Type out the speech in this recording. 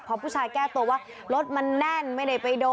พอผู้ชายแก้ตัวว่ารถมันแน่นไม่ได้ไปโดน